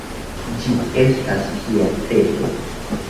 Ĝi estas kiel pleto.